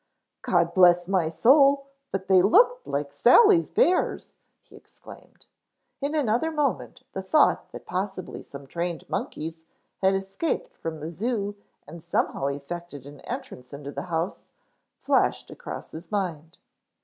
"God bless my soul, but they looked like Sally's bears!" he exclaimed. In another moment the thought that possibly some trained monkeys had escaped from the zoo and somehow effected an entrance into the house flashed across his mind.